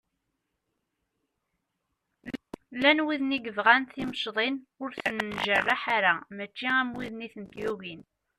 Llan widen i yebɣan timecḍin ur ten-njerreḥ ara mačči am widen i tent-yugin.